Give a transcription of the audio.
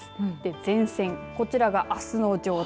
前線、こちらがあすの状態。